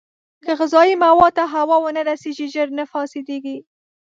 که غذايي موادو ته هوا ونه رسېږي، ژر نه فاسېدېږي.